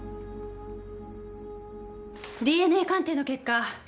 ＤＮＡ鑑定の結果